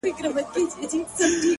ریښتینی ملګری حقیقت نه پټوي